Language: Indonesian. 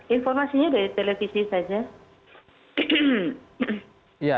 informasinya dari televisi saja